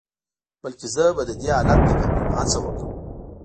بلکې زه به د دې حالت د بدلون هڅه وکړم.